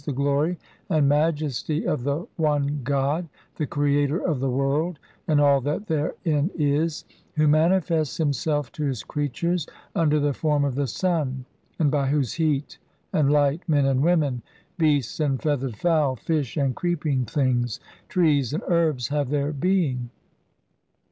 the glory and majesty of trie One god, the creator of the world and all that therein is, who manifests himself to his creatures under the form of the sun, by whose heat and light men and women, beasts and feathered fowl, fish and creeping things, trees and herbs have their being.